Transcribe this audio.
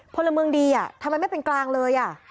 พลเมืองดีทำไมไม่เป็นกลางเลย